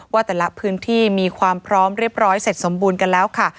ว่าแต่ละพื้นที่มีความพร้อมเรียบร้อยเสร็จสมบูรณ์กันแล้วค่ะ